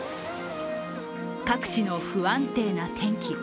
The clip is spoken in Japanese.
各地の不安定な天気。